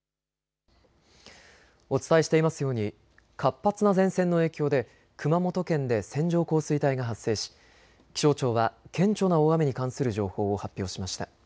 お伝えしていますように活発な前線の影響で熊本県で線状降水帯が発生し気象庁は顕著な大雨に関する情報を発表しました。